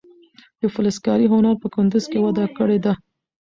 د فلزکارۍ هنر په کندز کې وده کړې ده.